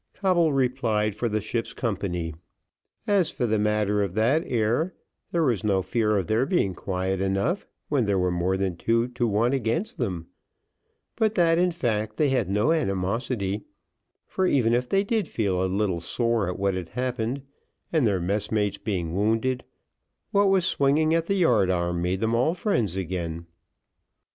Coble replied for the ship's company "As for the matter of that 'ere there was no fear of their being quiet enough when there were more than two to one against them; but that, in fact, they had no animosity: for even if they did feel a little sore at what had happened, and their messmates being wounded, what was swinging at the yard arm made them all friends again.